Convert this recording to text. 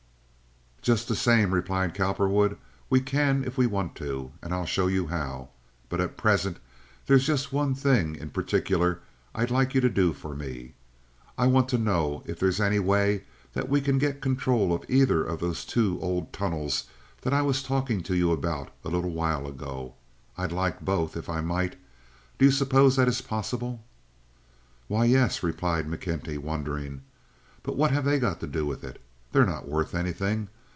"Just the same," said Cowperwood, "we can if we want to, and I'll show you how. But at present there's just one thing in particular I'd like you to do for me. I want to know if there is any way that we can get control of either of those two old tunnels that I was talking to you about a little while ago. I'd like both if I might. Do you suppose that is possible?" "Why, yes," replied McKenty, wondering; "but what have they got to do with it? They're not worth anything.